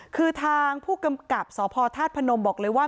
คือทางผู้กำกับสภภนมบอกเลยว่า